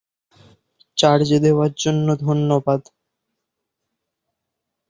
North America has developed and its manufacturing sector has grown.